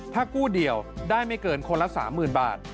ถ้ากู้เดี่ยวได้ไม่เกินคนละ๓๐๐๐บาท